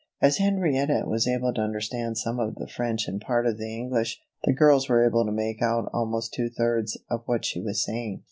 As Henrietta was able to understand some of the French and part of the English, the girls were able to make out almost two thirds of what she was saying.